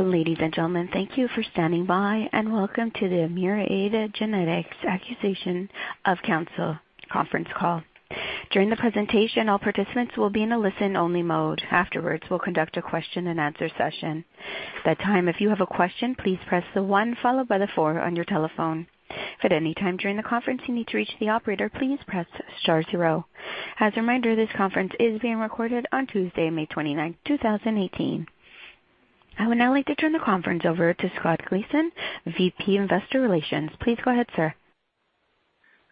Ladies and gentlemen, thank you for standing by, and welcome to the Myriad Genetics Acquisition of Counsyl conference call. During the presentation, all participants will be in a listen-only mode. Afterwards, we'll conduct a question and answer session. At that time, if you have a question, please press the one followed by the four on your telephone. If at any time during the conference you need to reach the operator, please press star zero. As a reminder, this conference is being recorded on Tuesday, May 29, 2018. I would now like to turn the conference over to Scott Gleason, VP, Investor Relations. Please go ahead, sir.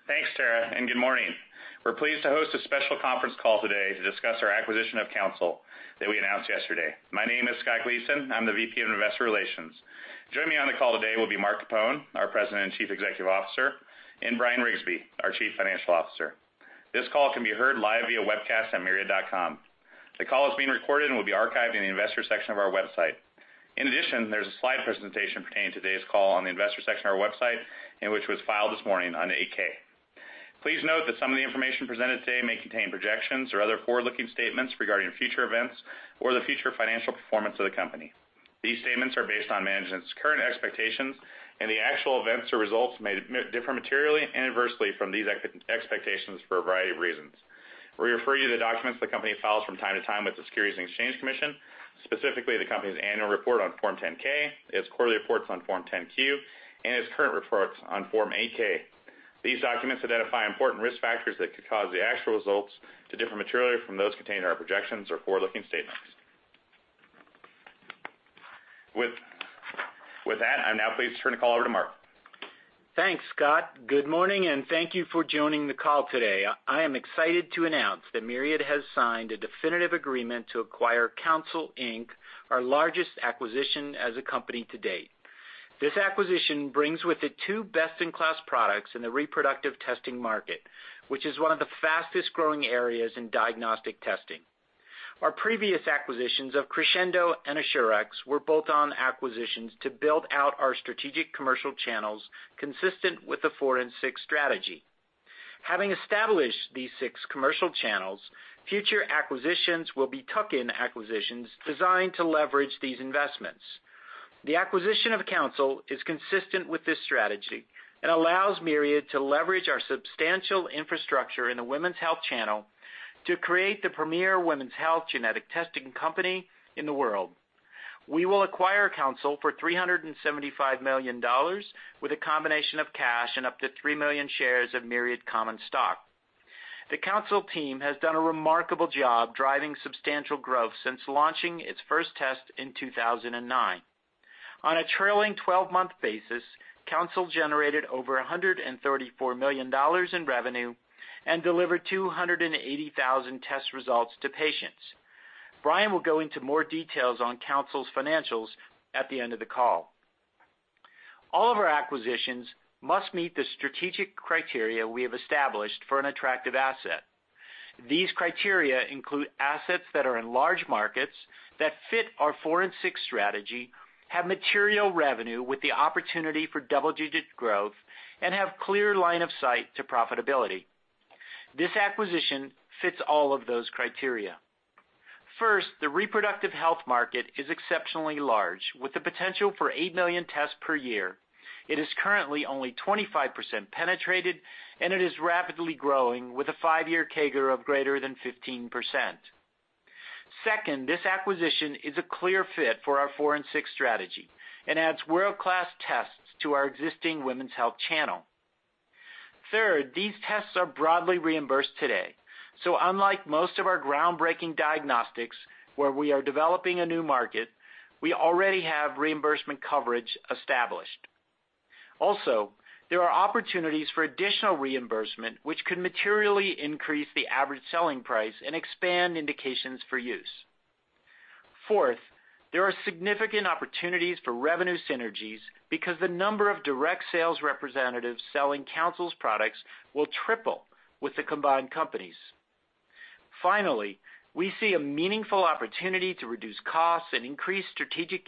Thanks, Sarah, good morning. We're pleased to host a special conference call today to discuss our acquisition of Counsyl that we announced yesterday. My name is Scott Gleason. I'm the VP, Investor Relations. Joining me on the call today will be Mark Capone, our President and Chief Executive Officer, Bryan Riggsbee, our Chief Financial Officer. This call can be heard live via webcast at myriad.com. The call is being recorded and will be archived in the investor section of our website. In addition, there's a slide presentation pertaining to today's call on the investor section of our website which was filed this morning on the 8-K. Please note that some of the information presented today may contain projections or other forward-looking statements regarding future events or the future financial performance of the company. These statements are based on management's current expectations, the actual events or results may differ materially and adversely from these expectations for a variety of reasons. We refer you to the documents the company files from time to time with the Securities and Exchange Commission, specifically the company's annual report on Form 10-K, its quarterly reports on Form 10-Q, its current reports on Form 8-K. These documents identify important risk factors that could cause the actual results to differ materially from those contained in our projections or forward-looking statements. With that, I'm now pleased to turn the call over to Mark. Thanks, Scott. Good morning, thank you for joining the call today. I am excited to announce that Myriad has signed a definitive agreement to acquire Counsyl, Inc., our largest acquisition as a company to date. This acquisition brings with it two best-in-class products in the reproductive testing market, which is one of the fastest-growing areas in diagnostic testing. Our previous acquisitions of Crescendo Bioscience and Assurex Health were bolt-on acquisitions to build out our strategic commercial channels consistent with the four-in-six strategy. Having established these six commercial channels, future acquisitions will be tuck-in acquisitions designed to leverage these investments. The acquisition of Counsyl is consistent with this strategy allows Myriad to leverage our substantial infrastructure in the women's health channel to create the premier women's health genetic testing company in the world. We will acquire Counsyl for $375 million with a combination of cash and up to 3 million shares of Myriad common stock. The Counsyl team has done a remarkable job driving substantial growth since launching its first test in 2009. On a trailing 12-month basis, Counsyl generated over $134 million in revenue and delivered 280,000 test results to patients. Bryan will go into more details on Counsyl's financials at the end of the call. All of our acquisitions must meet the strategic criteria we have established for an attractive asset. These criteria include assets that are in large markets that fit our four-in-six strategy, have material revenue with the opportunity for double-digit growth, and have clear line of sight to profitability. This acquisition fits all of those criteria. First, the reproductive health market is exceptionally large, with the potential for 8 million tests per year. It is currently only 25% penetrated. It is rapidly growing with a five-year CAGR of greater than 15%. Second, this acquisition is a clear fit for our four-in-six strategy and adds world-class tests to our existing women's health channel. Third, these tests are broadly reimbursed today. Unlike most of our groundbreaking diagnostics, where we are developing a new market, we already have reimbursement coverage established. There are opportunities for additional reimbursement, which could materially increase the average selling price and expand indications for use. Fourth, there are significant opportunities for revenue synergies because the number of direct sales representatives selling Counsyl's products will triple with the combined companies. Finally, we see a meaningful opportunity to reduce costs and increase strategic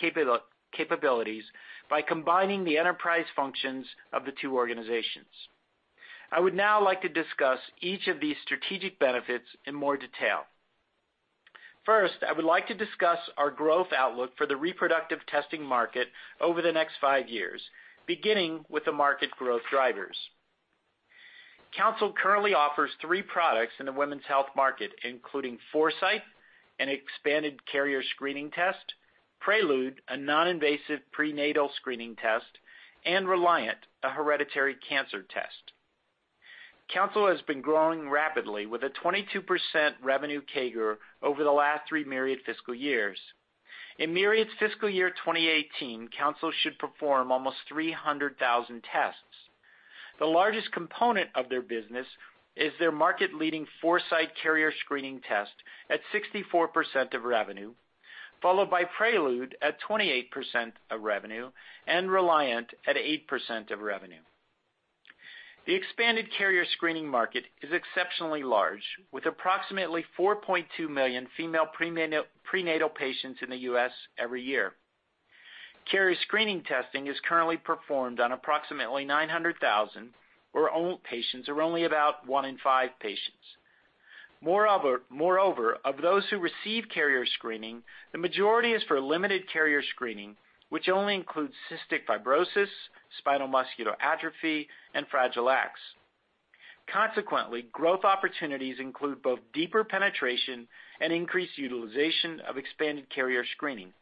capabilities by combining the enterprise functions of the two organizations. I would now like to discuss each of these strategic benefits in more detail. First, I would like to discuss our growth outlook for the reproductive testing market over the next five years, beginning with the market growth drivers. Counsyl currently offers three products in the women's health market, including Foresight, an expanded carrier screening test, Prequel, a non-invasive prenatal screening test, and Reliant, a hereditary cancer test. Counsyl has been growing rapidly with a 22% revenue CAGR over the last three Myriad fiscal years. In Myriad's fiscal year 2018, Counsyl should perform almost 300,000 tests. The largest component of their business is their market-leading Foresight carrier screening test at 64% of revenue, followed by Prequel at 28% of revenue and Reliant at 8% of revenue. The expanded carrier screening market is exceptionally large, with approximately 4.2 million female prenatal patients in the U.S. every year. Carrier screening testing is currently performed on approximately 900,000, where patients are only about one in five patients. Of those who receive carrier screening, the majority is for limited carrier screening, which only includes cystic fibrosis, spinal muscular atrophy, and Fragile X. Growth opportunities include both deeper penetration and increased utilization of expanded carrier screening.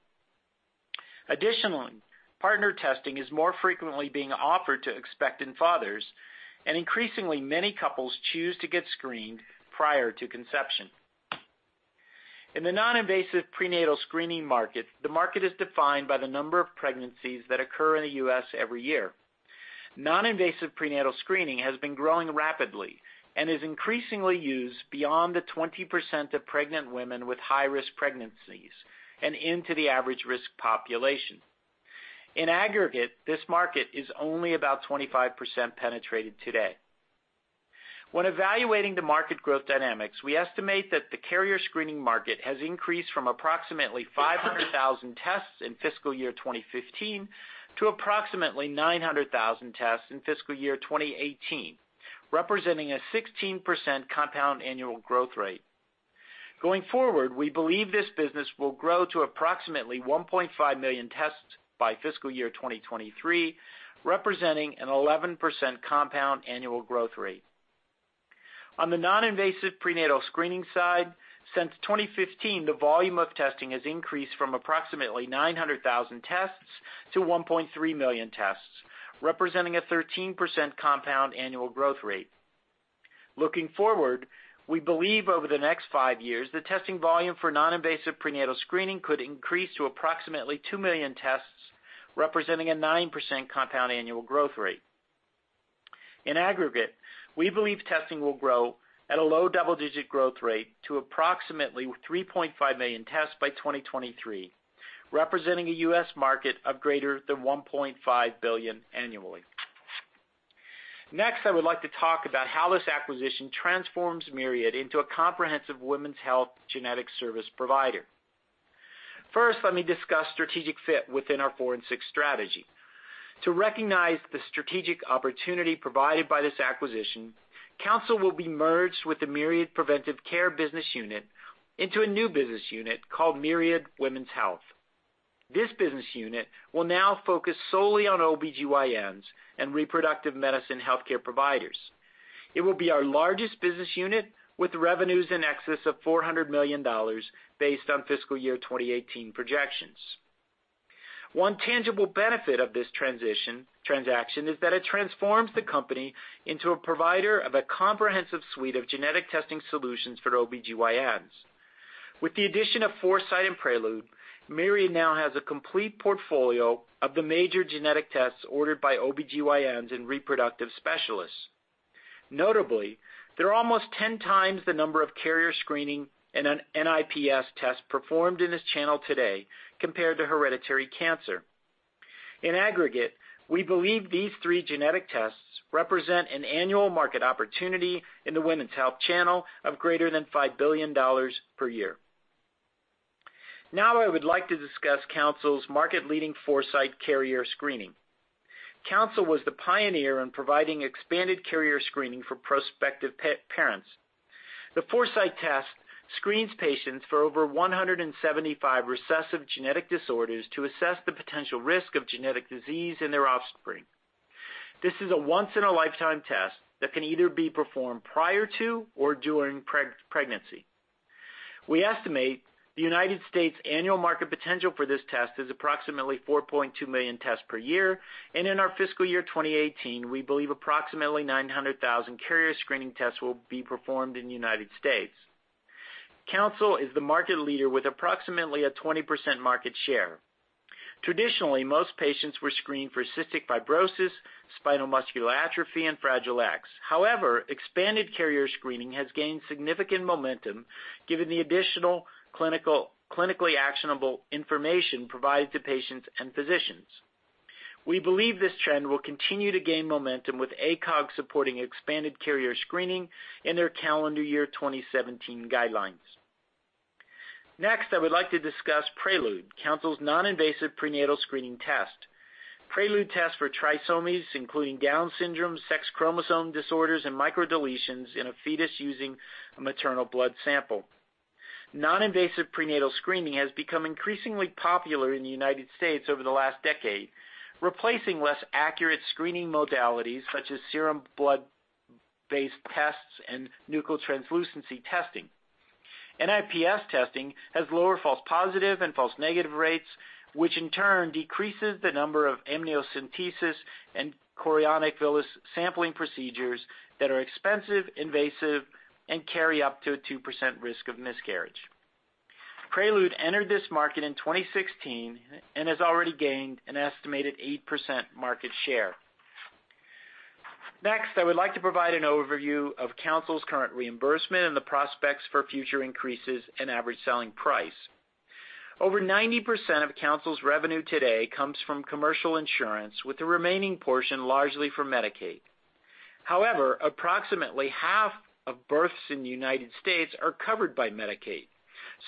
Partner testing is more frequently being offered to expectant fathers, and increasingly many couples choose to get screened prior to conception. In the non-invasive prenatal screening market, the market is defined by the number of pregnancies that occur in the U.S. every year. Non-invasive prenatal screening has been growing rapidly and is increasingly used beyond the 20% of pregnant women with high-risk pregnancies and into the average-risk population. In aggregate, this market is only about 25% penetrated today. When evaluating the market growth dynamics, we estimate that the carrier screening market has increased from approximately 500,000 tests in FY 2015 to approximately 900,000 tests in FY 2018, representing a 16% compound annual growth rate. Going forward, we believe this business will grow to approximately 1.5 million tests by FY 2023, representing an 11% compound annual growth rate. On the non-invasive prenatal screening side, since 2015, the volume of testing has increased from approximately 900,000 tests to 1.3 million tests, representing a 13% compound annual growth rate. Looking forward, we believe over the next five years, the testing volume for non-invasive prenatal screening could increase to approximately 2 million tests, representing a 9% compound annual growth rate. In aggregate, we believe testing will grow at a low double-digit growth rate to approximately 3.5 million tests by 2023, representing a U.S. market of greater than $1.5 billion annually. Next, I would like to talk about how this acquisition transforms Myriad into a comprehensive women's health genetic service provider. First, let me discuss strategic fit within our four-in-six strategy. To recognize the strategic opportunity provided by this acquisition, Counsyl will be merged with the Myriad preventive care business unit into a new business unit called Myriad Women's Health. This business unit will now focus solely on OBGYNs and reproductive medicine healthcare providers. It will be our largest business unit with revenues in excess of $400 million based on FY 2018 projections. One tangible benefit of this transaction is that it transforms the company into a provider of a comprehensive suite of genetic testing solutions for OBGYNs. With the addition of Foresight and Prequel, Myriad now has a complete portfolio of the major genetic tests ordered by OBGYNs and reproductive specialists. Notably, there are almost 10 times the number of carrier screening and NIPS tests performed in this channel today compared to hereditary cancer. In aggregate, we believe these three genetic tests represent an annual market opportunity in the women's health channel of greater than $5 billion per year. Now, I would like to discuss Counsyl's market-leading Foresight carrier screening. Counsyl was the pioneer in providing expanded carrier screening for prospective parents. The Foresight test screens patients for over 175 recessive genetic disorders to assess the potential risk of genetic disease in their offspring. This is a once-in-a-lifetime test that can either be performed prior to or during pregnancy. We estimate the U.S. annual market potential for this test is approximately 4.2 million tests per year, and in our FY 2018, we believe approximately 900,000 carrier screening tests will be performed in the U.S. Counsyl is the market leader with approximately a 20% market share. Traditionally, most patients were screened for cystic fibrosis, spinal muscular atrophy, and Fragile X. However, expanded carrier screening has gained significant momentum given the additional clinically actionable information provided to patients and physicians. We believe this trend will continue to gain momentum with ACOG supporting expanded carrier screening in their calendar year 2017 guidelines. Next, I would like to discuss Prequel, Counsyl's non-invasive prenatal screening test. Prequel tests for trisomies, including Down syndrome, sex chromosome disorders, and microdeletions in a fetus using a maternal blood sample. Non-invasive prenatal screening has become increasingly popular in the United States over the last decade, replacing less accurate screening modalities such as serum blood-based tests and nuchal translucency testing. NIPS testing has lower false positive and false negative rates, which in turn decreases the number of amniocentesis and chorionic villus sampling procedures that are expensive, invasive, and carry up to a 2% risk of miscarriage. Prequel entered this market in 2016 and has already gained an estimated 8% market share. Next, I would like to provide an overview of Counsyl's current reimbursement and the prospects for future increases in average selling price. Over 90% of Counsyl's revenue today comes from commercial insurance, with the remaining portion largely for Medicaid. However, approximately half of births in the United States are covered by Medicaid,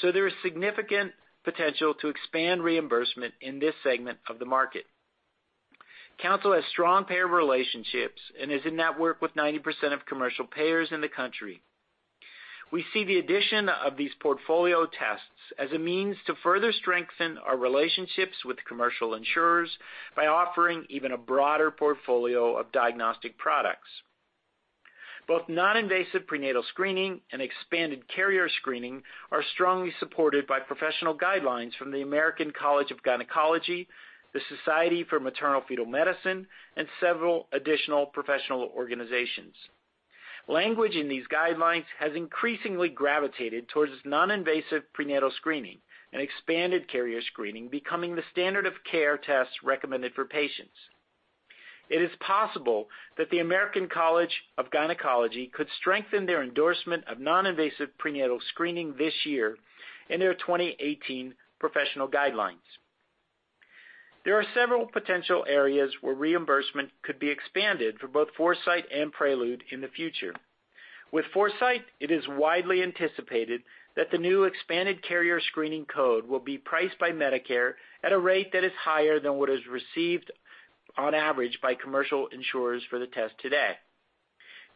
so there is significant potential to expand reimbursement in this segment of the market. Counsyl has strong payer relationships and is in network with 90% of commercial payers in the country. We see the addition of these portfolio tests as a means to further strengthen our relationships with commercial insurers by offering even a broader portfolio of diagnostic products. Both non-invasive prenatal screening and expanded carrier screening are strongly supported by professional guidelines from the American College of Obstetricians and Gynecologists, the Society for Maternal-Fetal Medicine, and several additional professional organizations. Language in these guidelines has increasingly gravitated towards non-invasive prenatal screening and expanded carrier screening becoming the standard of care tests recommended for patients. It is possible that the American College of Obstetricians and Gynecologists could strengthen their endorsement of non-invasive prenatal screening this year in their 2018 professional guidelines. There are several potential areas where reimbursement could be expanded for both Foresight and Prequel in the future. With Foresight, it is widely anticipated that the new expanded carrier screening code will be priced by Medicare at a rate that is higher than what is received on average by commercial insurers for the test today.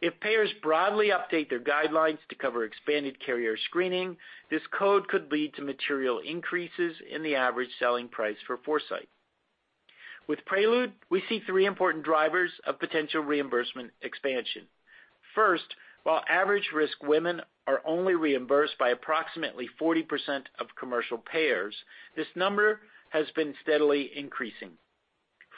If payers broadly update their guidelines to cover expanded carrier screening, this code could lead to material increases in the average selling price for Foresight. With Prequel, we see three important drivers of potential reimbursement expansion. First, while average risk women are only reimbursed by approximately 40% of commercial payers, this number has been steadily increasing.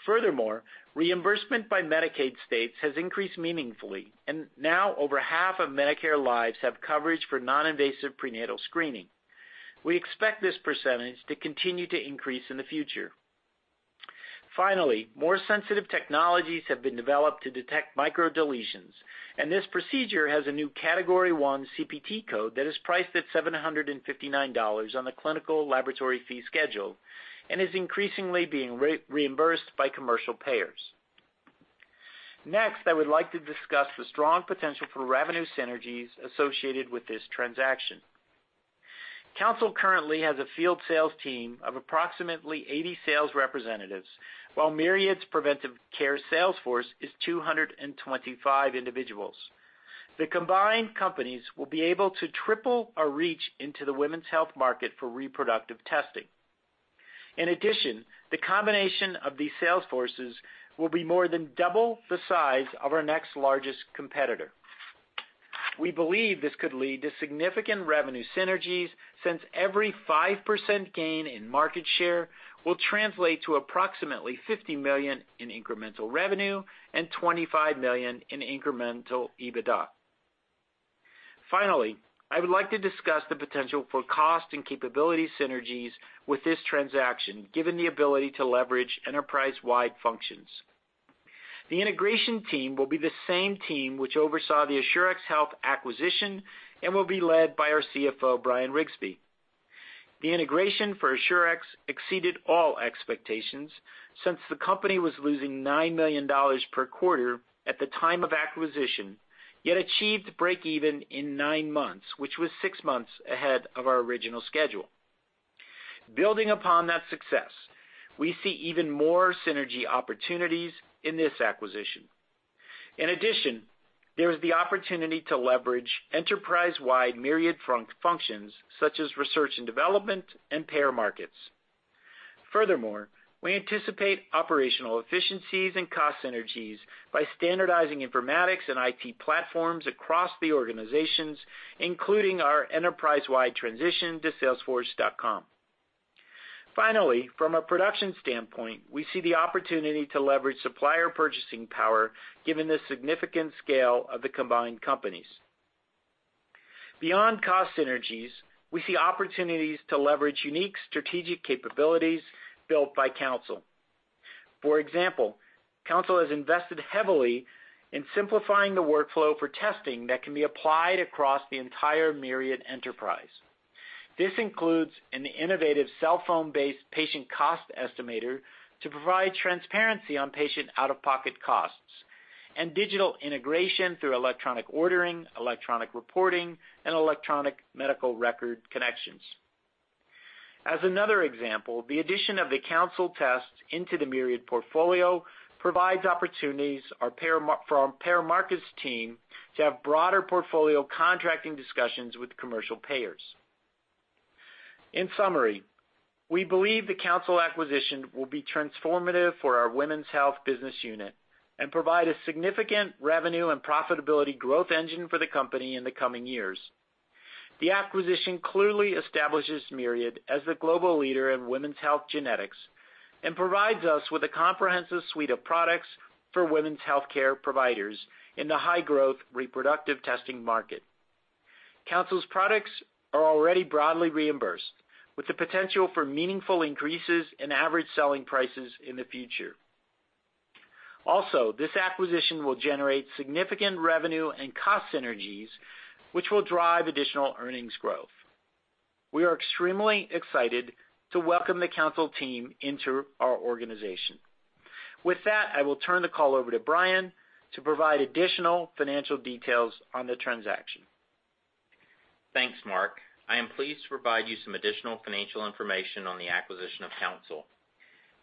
Furthermore, reimbursement by Medicaid states has increased meaningfully, and now over half of Medicare lives have coverage for non-invasive prenatal screening. We expect this percentage to continue to increase in the future. Finally, more sensitive technologies have been developed to detect microdeletions, and this procedure has a new Category 1 CPT code that is priced at $759 on the Clinical Laboratory Fee Schedule and is increasingly being reimbursed by commercial payers. Next, I would like to discuss the strong potential for revenue synergies associated with this transaction. Counsyl currently has a field sales team of approximately 80 sales representatives, while Myriad's preventive care sales force is 225 individuals. The combined companies will be able to triple our reach into the women's health market for reproductive testing. In addition, the combination of these sales forces will be more than double the size of our next largest competitor. We believe this could lead to significant revenue synergies since every 5% gain in market share will translate to approximately $50 million in incremental revenue and $25 million in incremental EBITDA. I would like to discuss the potential for cost and capability synergies with this transaction, given the ability to leverage enterprise-wide functions. The integration team will be the same team which oversaw the Assurex Health acquisition and will be led by our CFO, Bryan Riggsbee. The integration for Assurex exceeded all expectations since the company was losing $9 million per quarter at the time of acquisition, yet achieved breakeven in nine months, which was six months ahead of our original schedule. Building upon that success, we see even more synergy opportunities in this acquisition. In addition, there is the opportunity to leverage enterprise-wide Myriad functions such as research and development and payer markets. Furthermore, we anticipate operational efficiencies and cost synergies by standardizing informatics and IT platforms across the organizations, including our enterprise-wide transition to Salesforce.com. From a production standpoint, we see the opportunity to leverage supplier purchasing power, given the significant scale of the combined companies. Beyond cost synergies, we see opportunities to leverage unique strategic capabilities built by Counsyl. For example, Counsyl has invested heavily in simplifying the workflow for testing that can be applied across the entire Myriad enterprise. This includes an innovative cell phone-based patient cost estimator to provide transparency on patient out-of-pocket costs and digital integration through electronic ordering, electronic reporting, and electronic medical record connections. As another example, the addition of the Counsyl test into the Myriad portfolio provides opportunities for our payer markets team to have broader portfolio contracting discussions with commercial payers. In summary, we believe the Counsyl acquisition will be transformative for our women's health business unit and provide a significant revenue and profitability growth engine for the company in the coming years. The acquisition clearly establishes Myriad as the global leader in women's health genetics and provides us with a comprehensive suite of products for women's healthcare providers in the high-growth reproductive testing market. Counsyl's products are already broadly reimbursed, with the potential for meaningful increases in average selling prices in the future. This acquisition will generate significant revenue and cost synergies, which will drive additional earnings growth. We are extremely excited to welcome the Counsyl team into our organization. With that, I will turn the call over to Bryan to provide additional financial details on the transaction. Thanks, Mark. I am pleased to provide you some additional financial information on the acquisition of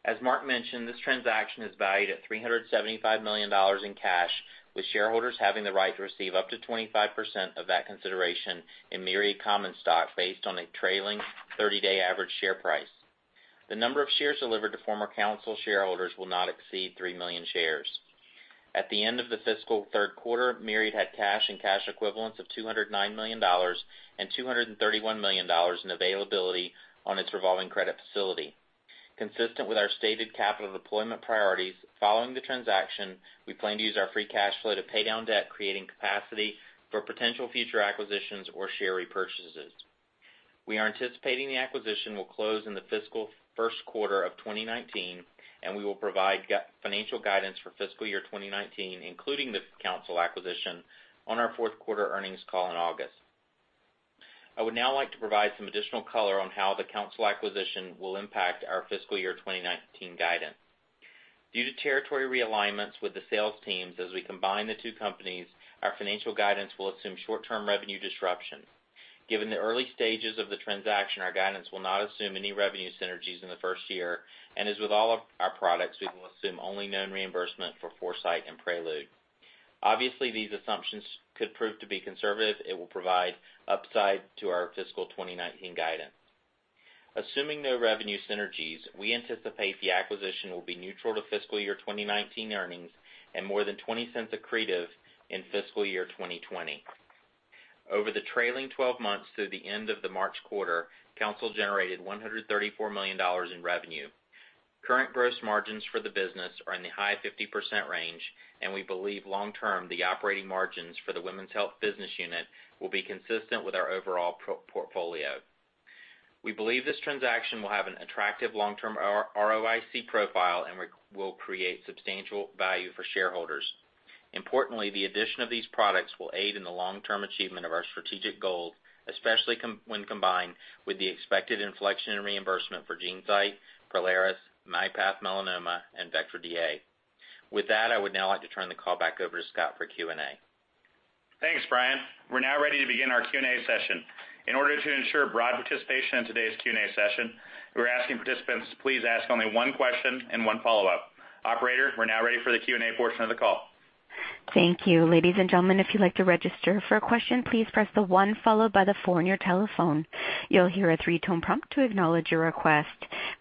Counsyl. As Mark mentioned, this transaction is valued at $375 million in cash, with shareholders having the right to receive up to 25% of that consideration in Myriad common stock based on a trailing 30-day average share price. The number of shares delivered to former Counsyl shareholders will not exceed 3 million shares. At the end of the fiscal third quarter, Myriad had cash and cash equivalents of $209 million and $231 million in availability on its revolving credit facility. Consistent with our stated capital deployment priorities, following the transaction, we plan to use our free cash flow to pay down debt, creating capacity for potential future acquisitions or share repurchases. We are anticipating the acquisition will close in the fiscal first quarter of 2019, and we will provide financial guidance for fiscal year 2019, including the Counsyl acquisition, on our fourth quarter earnings call in August. I would now like to provide some additional color on how the Counsyl acquisition will impact our fiscal year 2019 guidance. Due to territory realignments with the sales teams as we combine the two companies, our financial guidance will assume short-term revenue disruption. Given the early stages of the transaction, our guidance will not assume any revenue synergies in the first year, and as with all of our products, we will assume only known reimbursement for Foresight and Prequel. Obviously, these assumptions could prove to be conservative. It will provide upside to our fiscal 2019 guidance. Assuming no revenue synergies, we anticipate the acquisition will be neutral to fiscal year 2019 earnings and more than $0.20 accretive in fiscal year 2020. Over the trailing 12 months through the end of the March quarter, Counsyl generated $134 million in revenue. Current gross margins for the business are in the high 50% range, and we believe long term, the operating margins for the Myriad Women's Health business unit will be consistent with our overall portfolio. We believe this transaction will have an attractive long-term ROIC profile and will create substantial value for shareholders. Importantly, the addition of these products will aid in the long-term achievement of our strategic goals, especially when combined with the expected inflection in reimbursement for GeneSight, Prolaris, myPath Melanoma, and Vectra DA. With that, I would now like to turn the call back over to Scott for Q&A. Thanks, Bryan. We're now ready to begin our Q&A session. In order to ensure broad participation in today's Q&A session, we're asking participants to please ask only one question and one follow-up. Operator, we're now ready for the Q&A portion of the call. Thank you. Ladies and gentlemen, if you'd like to register for a question, please press the one followed by the four on your telephone. You'll hear a three-tone prompt to acknowledge your request.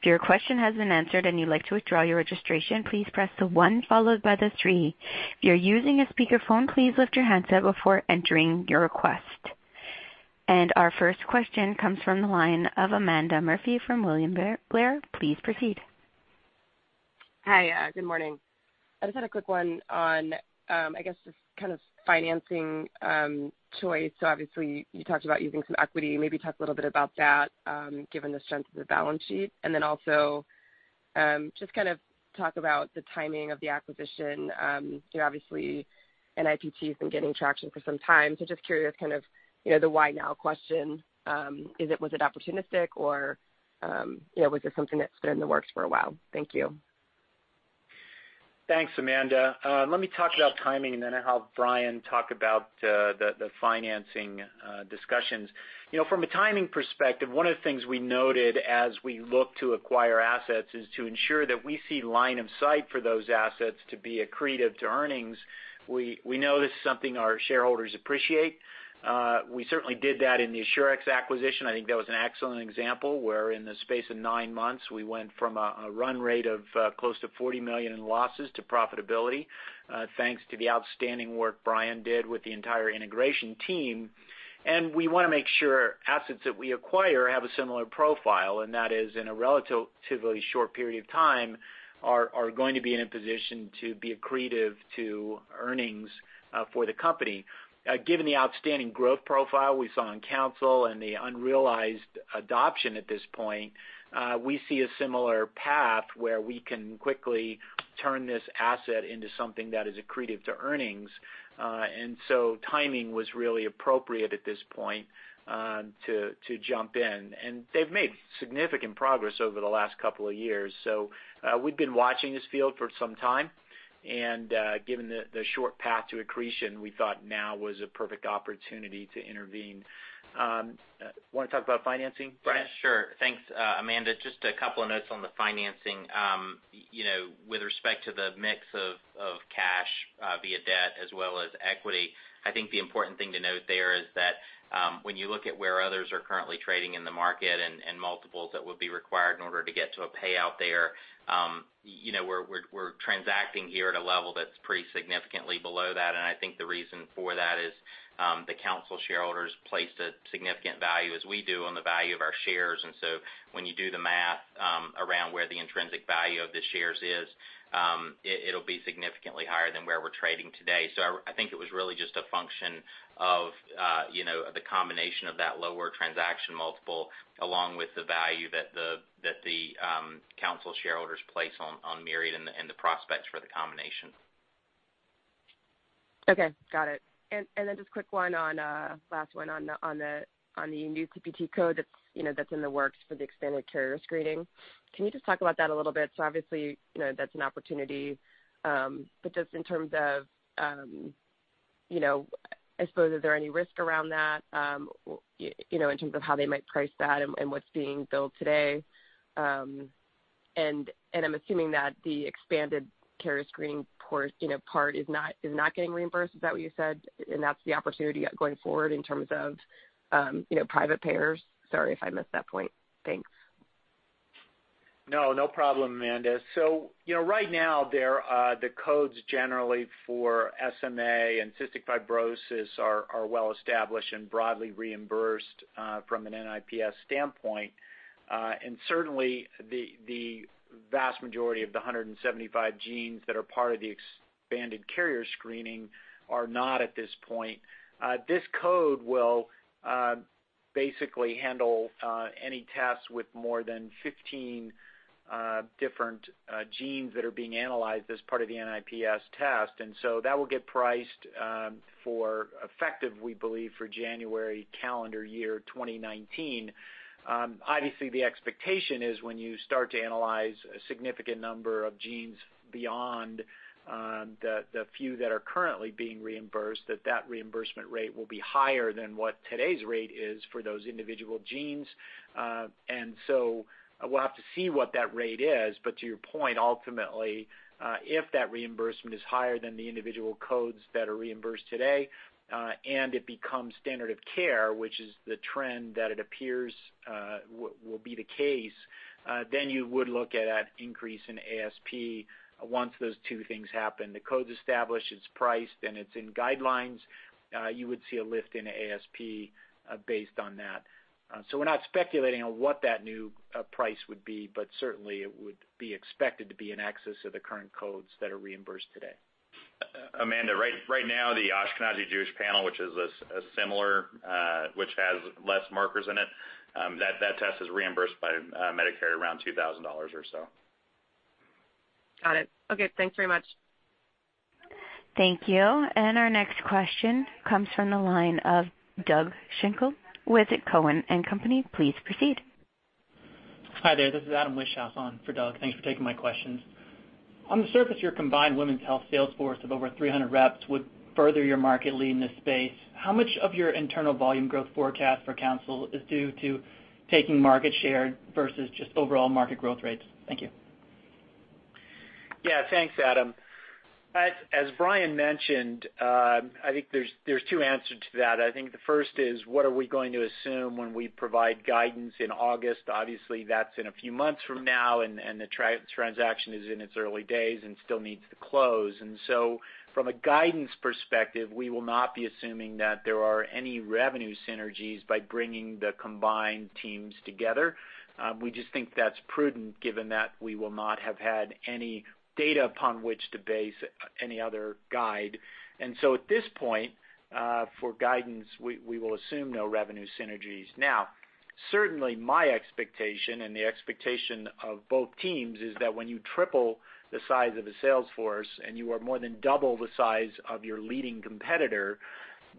If your question has been answered and you'd like to withdraw your registration, please press the one followed by the three. If you're using a speakerphone, please lift your handset before entering your request. Our first question comes from the line of Amanda Murphy from William Blair. Please proceed. Hi, good morning. I just had a quick one on, I guess, just financing choice. Obviously, you talked about using some equity. Maybe talk a little bit about that given the strength of the balance sheet. Just talk about the timing of the acquisition. Obviously, NIPT has been getting traction for some time. Just curious, the why now question. Was it opportunistic or was this something that's been in the works for a while? Thank you. Thanks, Amanda. Let me talk about timing, and then I'll have Bryan talk about the financing discussions. From a timing perspective, one of the things we noted as we look to acquire assets is to ensure that we see line of sight for those assets to be accretive to earnings. We know this is something our shareholders appreciate. We certainly did that in the Assurex acquisition. I think that was an excellent example where, in the space of nine months, we went from a run rate of close to $40 million in losses to profitability, thanks to the outstanding work Bryan did with the entire integration team. We want to make sure assets that we acquire have a similar profile, and that is, in a relatively short period of time, are going to be in a position to be accretive to earnings for the company. Given the outstanding growth profile we saw in Counsyl and the unrealized adoption at this point, we see a similar path where we can quickly turn this asset into something that is accretive to earnings. Timing was really appropriate at this point to jump in. They've made significant progress over the last couple of years. We've been watching this field for some time, and given the short path to accretion, we thought now was a perfect opportunity to intervene. Want to talk about financing, Bryan? Sure. Thanks, Amanda. Just a couple of notes on the financing. With respect to the mix of cash via debt as well as equity, I think the important thing to note there is that when you look at where others are currently trading in the market and multiples that would be required in order to get to a payout there, we're transacting here at a level that's pretty significantly below that. I think the reason for that is the Counsyl shareholders placed a significant value, as we do, on the value of our shares. When you do the math around where the intrinsic value of the shares is, it'll be significantly higher than where we're trading today. I think it was really just a function of the combination of that lower transaction multiple along with the value that the Counsyl shareholders place on Myriad and the prospects for the combination. Okay. Got it. Then just quick one on, last one on the new CPT code that's in the works for the expanded carrier screening. Can you just talk about that a little bit? Obviously, that's an opportunity, but just in terms of I suppose, is there any risk around that in terms of how they might price that and what's being billed today? I'm assuming that the expanded carrier screening part is not getting reimbursed, is that what you said? That's the opportunity going forward in terms of private payers. Sorry if I missed that point. Thanks. No, no problem, Amanda. Right now, the codes generally for SMA and cystic fibrosis are well-established and broadly reimbursed from an NIPS standpoint. Certainly, the vast majority of the 175 genes that are part of the expanded carrier screening are not at this point. This code will basically handle any tests with more than 15 different genes that are being analyzed as part of the NIPS test. That will get priced for effective, we believe, for January calendar year 2019. Obviously, the expectation is when you start to analyze a significant number of genes beyond the few that are currently being reimbursed, that reimbursement rate will be higher than what today's rate is for those individual genes. We'll have to see what that rate is, but to your point, ultimately, if that reimbursement is higher than the individual codes that are reimbursed today, and it becomes standard of care, which is the trend that it appears will be the case, then you would look at an increase in ASP once those two things happen. The code's established, it's priced, and it's in guidelines. You would see a lift in ASP based on that. We're not speculating on what that new price would be, but certainly it would be expected to be in excess of the current codes that are reimbursed today. Amanda, right now, the Ashkenazi Jewish panel, which has less markers in it, that test is reimbursed by Medicare around $2,000 or so. Got it. Okay, thanks very much. Thank you. Our next question comes from the line of Doug Schenkel with Cowen and Company. Please proceed. Hi there. This is Adam Wieschhaus on for Doug. Thanks for taking my questions. On the surface, your combined women's health sales force of over 300 reps would further your market lead in this space. How much of your internal volume growth forecast for Counsyl is due to taking market share versus just overall market growth rates? Thank you. Thanks, Adam. As Bryan mentioned, I think there's two answers to that. I think the first is what are we going to assume when we provide guidance in August? Obviously, that's in a few months from now. The transaction is in its early days and still needs to close. From a guidance perspective, we will not be assuming that there are any revenue synergies by bringing the combined teams together. We just think that's prudent given that we will not have had any data upon which to base any other guide. At this point, for guidance, we will assume no revenue synergies. Certainly my expectation and the expectation of both teams is that when you triple the size of a sales force and you are more than double the size of your leading competitor,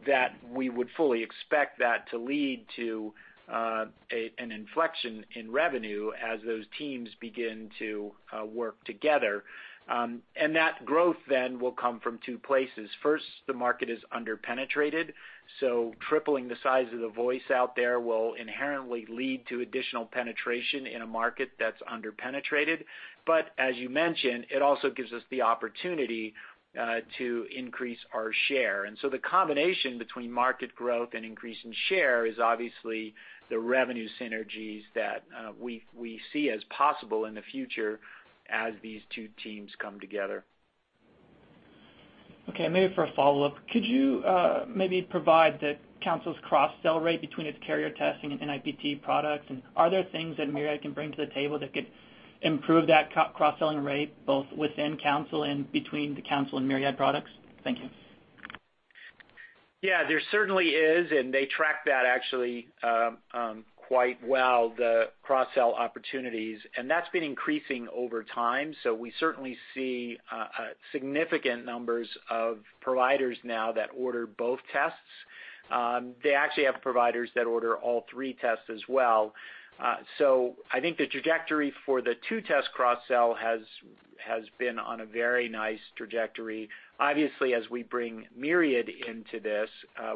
that we would fully expect that to lead to an inflection in revenue as those teams begin to work together. That growth then will come from two places. First, the market is under-penetrated, so tripling the size of the voice out there will inherently lead to additional penetration in a market that's under-penetrated. As you mentioned, it also gives us the opportunity to increase our share. The combination between market growth and increase in share is obviously the revenue synergies that we see as possible in the future as these two teams come together. Okay, maybe for a follow-up. Could you maybe provide Counsyl's cross-sell rate between its carrier testing and NIPT products? Are there things that Myriad can bring to the table that could improve that cross-selling rate, both within Counsyl and between the Counsyl and Myriad products? Thank you. There certainly is, and they track that actually quite well, the cross-sell opportunities. That's been increasing over time. We certainly see significant numbers of providers now that order both tests. They actually have providers that order all three tests as well. I think the trajectory for the two-test cross-sell has been on a very nice trajectory. Obviously, as we bring Myriad into this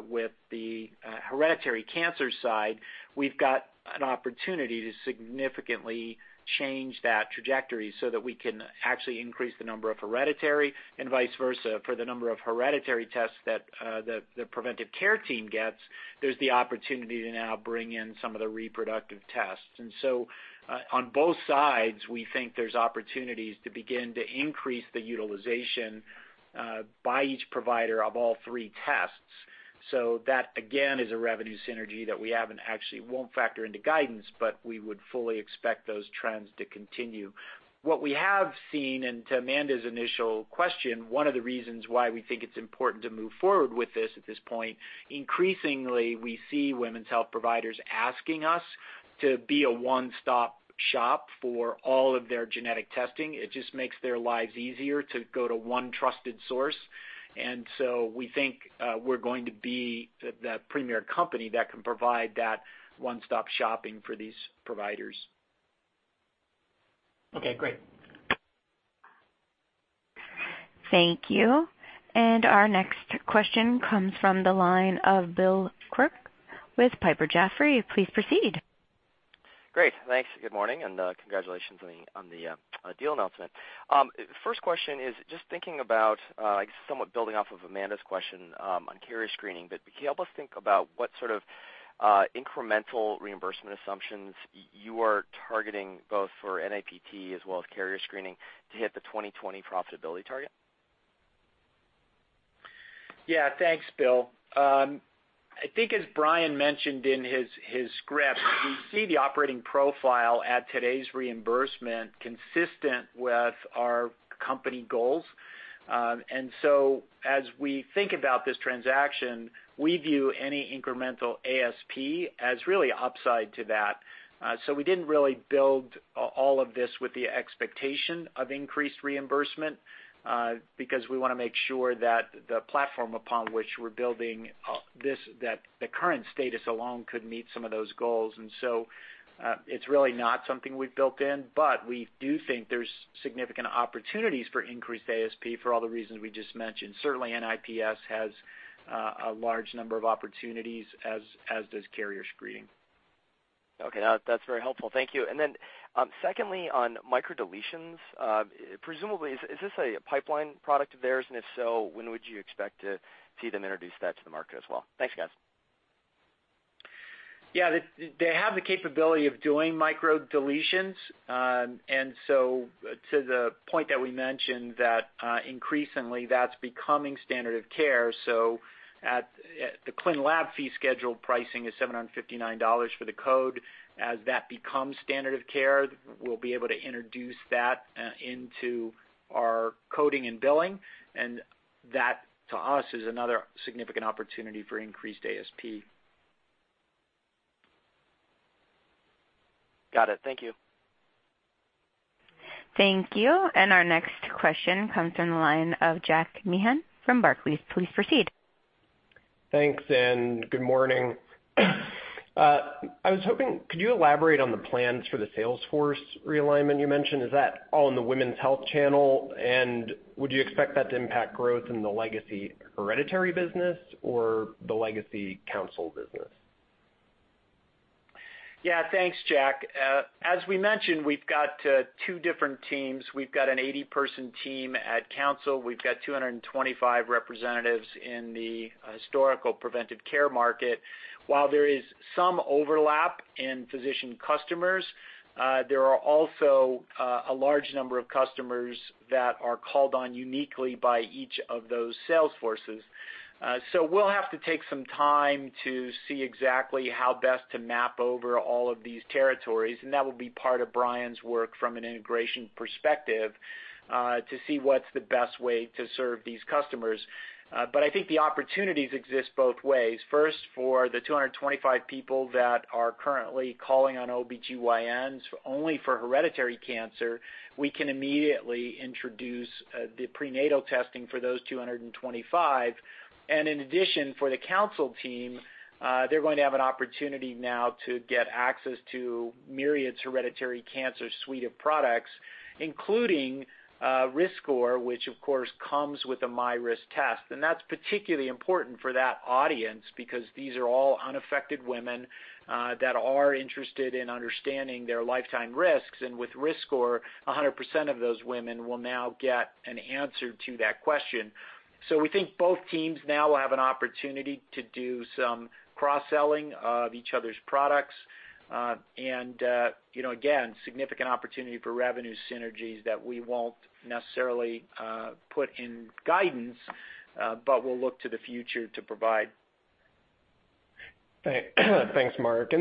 with the hereditary cancer side, we've got an opportunity to significantly change that trajectory so that we can actually increase the number of hereditary and vice versa for the number of hereditary tests that the preventive care team gets, there's the opportunity to now bring in some of the reproductive tests. On both sides, we think there's opportunities to begin to increase the utilization by each provider of all three tests. That, again, is a revenue synergy that we actually won't factor into guidance, but we would fully expect those trends to continue. What we have seen, and to Amanda's initial question, one of the reasons why we think it's important to move forward with this at this point, increasingly, we see women's health providers asking us to be a one-stop shop for all of their genetic testing. It just makes their lives easier to go to one trusted source. We think we're going to be that premier company that can provide that one-stop shopping for these providers. Okay, great. Thank you. Our next question comes from the line of Bill Quirk with Piper Jaffray. Please proceed. Great. Thanks. Good morning, and congratulations on the deal announcement. First question is just thinking about, I guess, somewhat building off of Amanda's question on carrier screening. Can you help us think about what sort of incremental reimbursement assumptions you are targeting, both for NIPT as well as carrier screening to hit the 2020 profitability target? Yeah. Thanks, Bill. I think as Bryan mentioned in his script, we see the operating profile at today's reimbursement consistent with our company goals. As we think about this transaction, we view any incremental ASP as really upside to that. We didn't really build all of this with the expectation of increased reimbursement, because we want to make sure that the platform upon which we're building, that the current status alone could meet some of those goals. It's really not something we've built in, but we do think there's significant opportunities for increased ASP for all the reasons we just mentioned. Certainly, NIPS has a large number of opportunities, as does carrier screening. Okay. No, that's very helpful. Thank you. Secondly, on microdeletions, presumably, is this a pipeline product of theirs? If so, when would you expect to see them introduce that to the market as well? Thanks, guys. Yeah, they have the capability of doing microdeletions. To the point that we mentioned that increasingly that's becoming standard of care, the Clin Lab Fee Schedule pricing is $759 for the code. As that becomes standard of care, we'll be able to introduce that into our coding and billing. That, to us, is another significant opportunity for increased ASP. Got it. Thank you. Thank you. Our next question comes from the line of Jack Meehan from Barclays. Please proceed. Thanks, and good morning. Could you elaborate on the plans for the sales force realignment you mentioned? Is that all in the women's health channel? Would you expect that to impact growth in the legacy hereditary business or the legacy Counsyl business? Yeah, thanks, Jack. As we mentioned, we've got two different teams. We've got an 80-person team at Counsyl. We've got 225 representatives in the historical preventive care market. While there is some overlap in physician customers, there are also a large number of customers that are called on uniquely by each of those sales forces. We'll have to take some time to see exactly how best to map over all of these territories, and that will be part of Bryan's work from an integration perspective, to see what's the best way to serve these customers. I think the opportunities exist both ways. First, for the 225 people that are currently calling on OBGYNs only for hereditary cancer, we can immediately introduce the prenatal testing for those 225. In addition, for the Counsyl team, they're going to have an opportunity now to get access to Myriad's hereditary cancer suite of products, including RiskScore, which of course comes with a MyRisk test. That's particularly important for that audience because these are all unaffected women that are interested in understanding their lifetime risks. With RiskScore, 100% of those women will now get an answer to that question. We think both teams now will have an opportunity to do some cross-selling of each other's products. Again, significant opportunity for revenue synergies that we won't necessarily put in guidance, but we'll look to the future to provide. Thanks, Mark.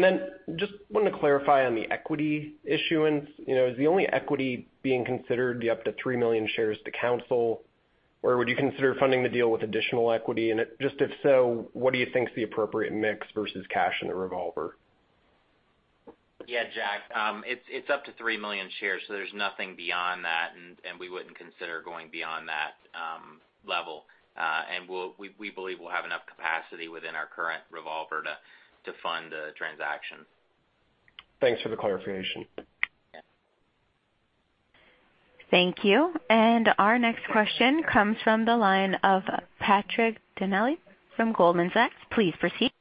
Just wanted to clarify on the equity issuance. Is the only equity being considered the up to 3 million shares to Counsyl, or would you consider funding the deal with additional equity? If so, what do you think is the appropriate mix versus cash in the revolver? Yeah. Jack, it's up to 3 million shares, so there's nothing beyond that, and we wouldn't consider going beyond that level. We believe we'll have enough capacity within our current revolver to fund the transaction. Thanks for the clarification. Thank you. Our next question comes from the line of Patrick Donnelly from Goldman Sachs. Please proceed.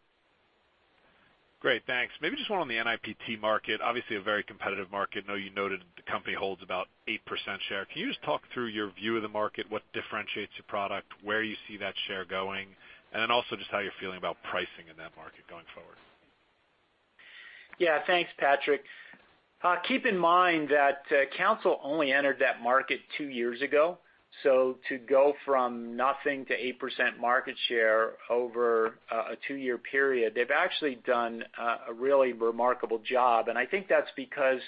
Great, thanks. Maybe just one on the NIPT market, obviously a very competitive market. I know you noted the company holds about 8% share. Can you just talk through your view of the market, what differentiates your product, where you see that share going, and then also just how you're feeling about pricing in that market going forward? Yeah. Thanks, Patrick. Keep in mind that Counsyl only entered that market two years ago. To go from nothing to 8% market share over a two-year period, they've actually done a really remarkable job. I think that's because,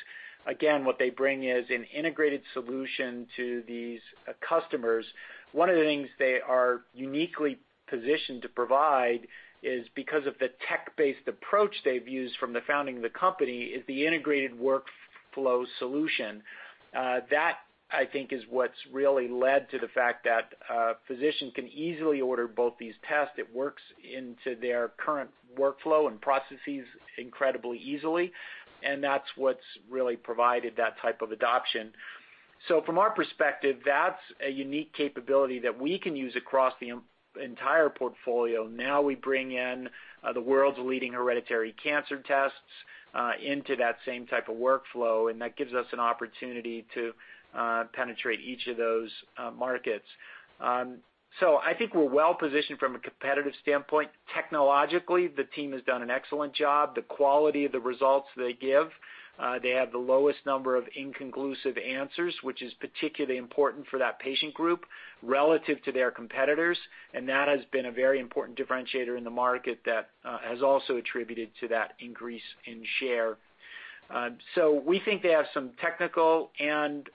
again, what they bring is an integrated solution to these customers. One of the things they are uniquely positioned to provide is because of the tech-based approach they've used from the founding of the company, is the integrated workflow solution. That I think is what's really led to the fact that a physician can easily order both these tests. It works into their current workflow and processes incredibly easily, and that's what's really provided that type of adoption. From our perspective, that's a unique capability that we can use across the entire portfolio. We bring in the world's leading hereditary cancer tests into that same type of workflow, and that gives us an opportunity to penetrate each of those markets. I think we're well-positioned from a competitive standpoint. Technologically, the team has done an excellent job. The quality of the results they give, they have the lowest number of inconclusive answers, which is particularly important for that patient group relative to their competitors, and that has been a very important differentiator in the market that has also attributed to that increase in share. We think they have some technical and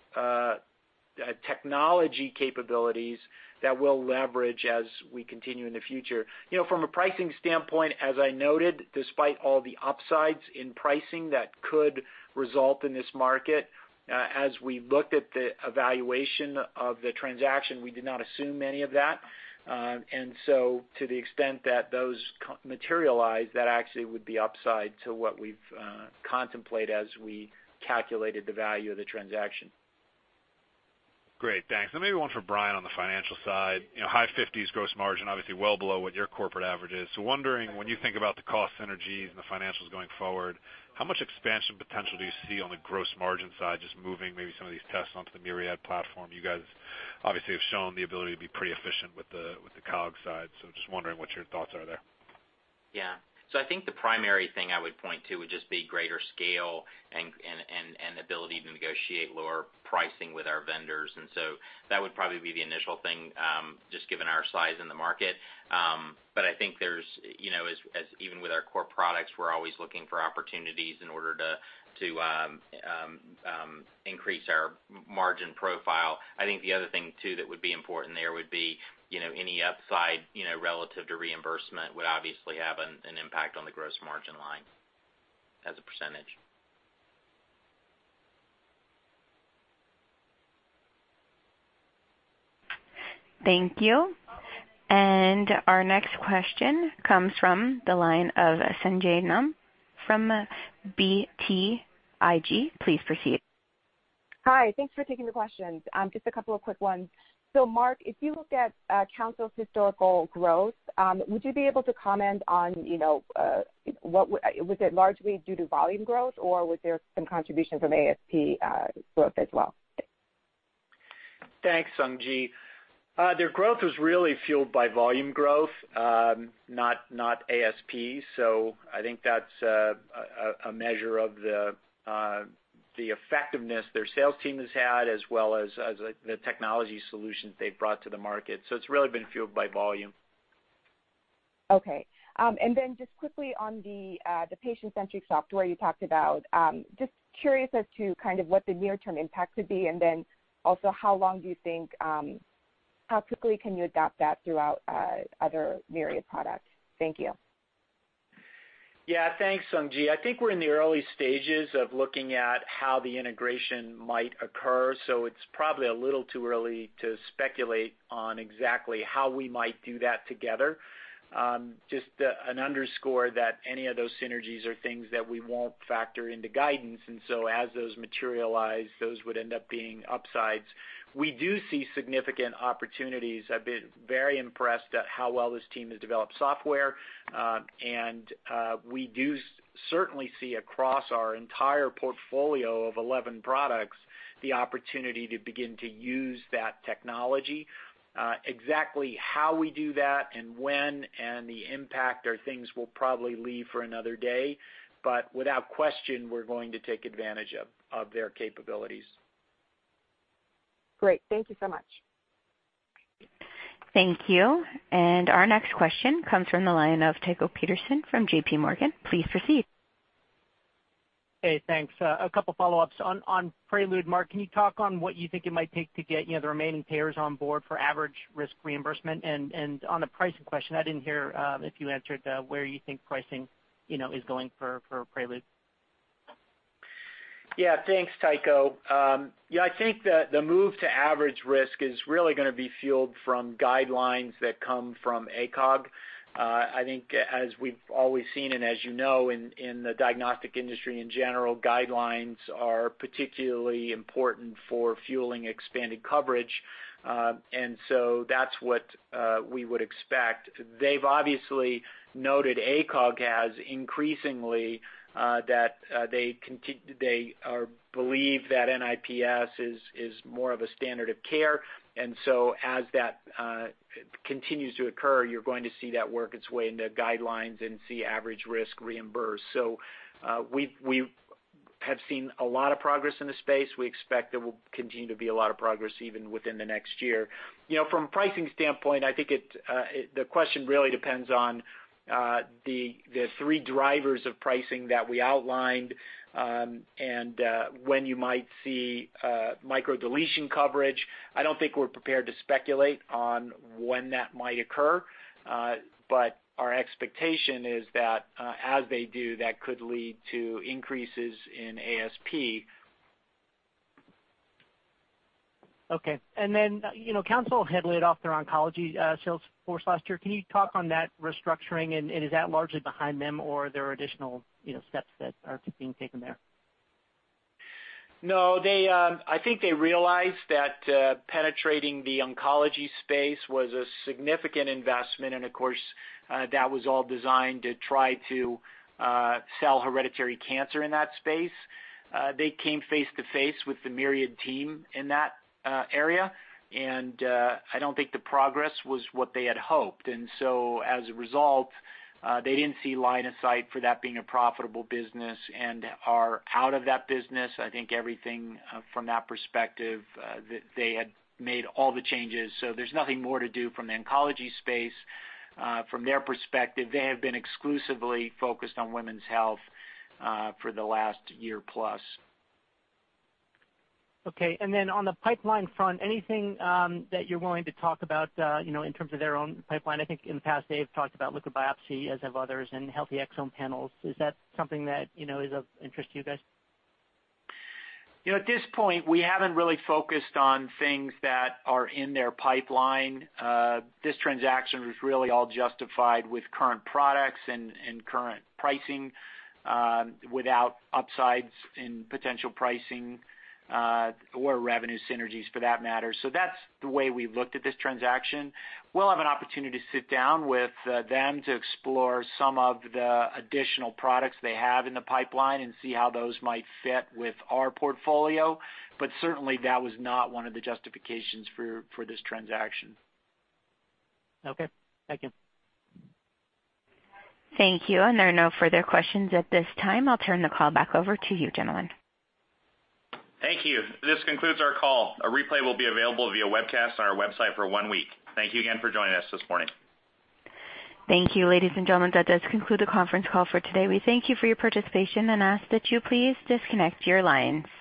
technology capabilities that we'll leverage as we continue in the future. From a pricing standpoint, as I noted, despite all the upsides in pricing that could result in this market, as we looked at the evaluation of the transaction, we did not assume any of that. To the extent that those materialize, that actually would be upside to what we've contemplate as we calculated the value of the transaction. Great. Thanks. Maybe one for Bryan on the financial side. High 50s gross margin, obviously well below what your corporate average is. Wondering, when you think about the cost synergies and the financials going forward, how much expansion potential do you see on the gross margin side, just moving maybe some of these tests onto the Myriad platform? You guys obviously have shown the ability to be pretty efficient with the COGS side, just wondering what your thoughts are there. Yeah. I think the primary thing I would point to would just be greater scale and ability to negotiate lower pricing with our vendors. That would probably be the initial thing, just given our size in the market. I think even with our core products, we're always looking for opportunities in order to increase our margin profile. I think the other thing, too, that would be important there would be any upside relative to reimbursement would obviously have an impact on the gross margin line as a percentage. Thank you. Our next question comes from the line of Sung Ji Nam from BTIG. Please proceed. Hi. Thanks for taking the questions. Just a couple of quick ones. Mark, if you looked at Counsyl's historical growth, would you be able to comment on, was it largely due to volume growth or was there some contribution from ASP growth as well? Thanks, Sung Ji Nam. Their growth was really fueled by volume growth, not ASP. I think that's a measure of the effectiveness their sales team has had as well as the technology solutions they've brought to the market. It's really been fueled by volume. Okay. Just quickly on the patient-centric software you talked about, just curious as to what the near-term impact could be, and then also how quickly can you adopt that throughout other Myriad products? Thank you. Yeah. Thanks, Sung Ji Nam. I think we're in the early stages of looking at how the integration might occur. It's probably a little too early to speculate on exactly how we might do that together. Just an underscore that any of those synergies are things that we won't factor into guidance, as those materialize, those would end up being upsides. We do see significant opportunities. I've been very impressed at how well this team has developed software. We do certainly see across our entire portfolio of 11 products, the opportunity to begin to use that technology. Exactly how we do that and when and the impact are things we'll probably leave for another day. Without question, we're going to take advantage of their capabilities. Great. Thank you so much. Thank you. Our next question comes from the line of Tycho Peterson from J.P. Morgan. Please proceed. Hey, thanks. A couple follow-ups. On Prequel, Mark, can you talk on what you think it might take to get the remaining payers on board for average risk reimbursement? On the pricing question, I didn't hear if you answered where you think pricing is going for Prequel. Yeah. Thanks, Tycho. I think the move to average risk is really going to be fueled from guidelines that come from ACOG. I think as we've always seen and as you know in the diagnostic industry in general, guidelines are particularly important for fueling expanded coverage. That's what we would expect. They've obviously noted ACOG has increasingly, that they believe that NIPS is more of a standard of care. As that continues to occur, you're going to see that work its way into guidelines and see average risk reimbursed. We have seen a lot of progress in the space. We expect there will continue to be a lot of progress even within the next year. From pricing standpoint, I think the question really depends on the three drivers of pricing that we outlined and when you might see microdeletions coverage. I don't think we're prepared to speculate on when that might occur. Our expectation is that as they do, that could lead to increases in ASP. Okay. Counsyl had laid off their oncology sales force last year. Can you talk on that restructuring? Is that largely behind them, or there are additional steps that are being taken there? No, I think they realized that penetrating the oncology space was a significant investment, and of course, that was all designed to try to sell hereditary cancer in that space. They came face to face with the Myriad team in that area, I don't think the progress was what they had hoped. As a result, they didn't see line of sight for that being a profitable business and are out of that business. I think everything from that perspective, they had made all the changes, so there's nothing more to do from the oncology space from their perspective. They have been exclusively focused on women's health for the last year plus. Okay, on the pipeline front, anything that you're willing to talk about in terms of their own pipeline? I think in the past, they've talked about liquid biopsy, as have others, and whole exome panels. Is that something that is of interest to you guys? At this point, we haven't really focused on things that are in their pipeline. This transaction was really all justified with current products and current pricing without upsides in potential pricing or revenue synergies, for that matter. That's the way we looked at this transaction. We'll have an opportunity to sit down with them to explore some of the additional products they have in the pipeline and see how those might fit with our portfolio. Certainly, that was not one of the justifications for this transaction. Okay. Thank you. Thank you. There are no further questions at this time. I'll turn the call back over to you, gentlemen. Thank you. This concludes our call. A replay will be available via webcast on our website for one week. Thank you again for joining us this morning. Thank you, ladies and gentlemen. That does conclude the conference call for today. We thank you for your participation and ask that you please disconnect your lines.